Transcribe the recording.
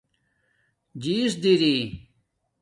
جیس دری